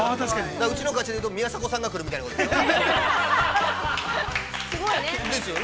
うちの会社でいうと、宮迫さんが来るみたいなことでしょう。